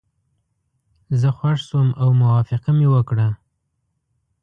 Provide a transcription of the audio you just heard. زه خوښ شوم او موافقه مې وکړه.